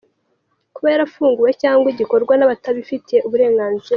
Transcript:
Kuba yarafunguwe cyangwa igakorwa n’abatabifitiye uburenganzira.